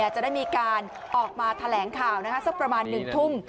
จะได้มีการออกมาแถลงข่าวสักประมาณ๑ทุ่ม